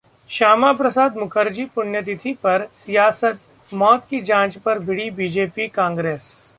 श्यामा प्रसाद मुखर्जी: पुण्यतिथि पर सियासत, मौत की जांच पर भिड़ी बीजेपी-कांग्रेस